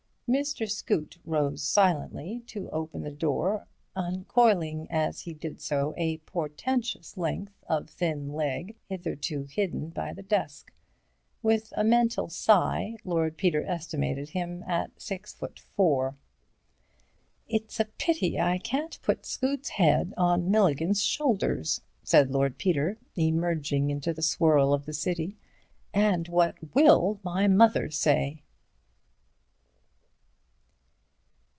Mr. Scoot rose silently to open the door, uncoiling as he did so a portentous length of thin leg, hitherto hidden by the desk. With a mental sigh Lord Peter estimated him at six foot four. "It's a pity I can't put Scoot's head on Milligan's shoulders," said Lord Peter, emerging into the swirl of the city, "and what will my mother say?"